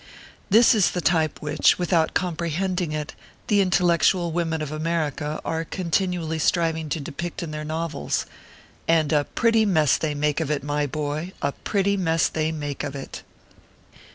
This is the type which, without comprehending it, the intellectual women of America are continually striving to depict in their novels ; and a pretty mess they make of it, my boy, a pretty mess they make of it.